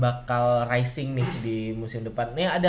bakal rising nih di musim depan